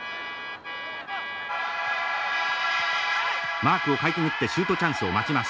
マークをかいくぐってシュートチャンスを待ちます。